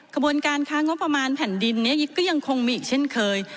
ขบวนการค้างบประมาณแผ่นดินนี้ก็ยังคงมีอีกเช่นเคย